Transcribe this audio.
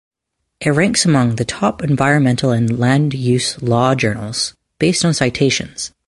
It ranks among the top environmental and land use law journals based on citations.